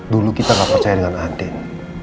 dulu kita gak percaya dengan atlet